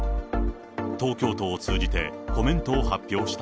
東京都を通じて、コメントを発表した。